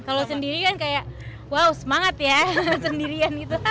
kalau sendiri kan kayak wow semangat ya sendirian gitu